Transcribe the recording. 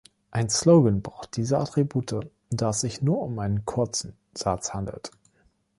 Ein Slogan braucht diese Attribute, da es sich nur um einen kurzen Satz handelt.